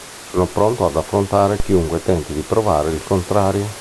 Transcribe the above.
Sono pronto ad affrontare chiunque tenti di provare il contrario".